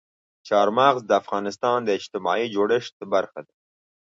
چار مغز د افغانستان د اجتماعي جوړښت برخه ده.